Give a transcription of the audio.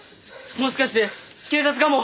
もしかして警察かも。